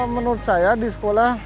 menurut saya di sekolah